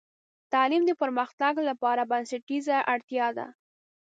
تعلیم د پرمختګ لپاره بنسټیزه اړتیا ده.